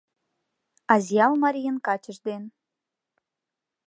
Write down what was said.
Азъял марийын качыж ден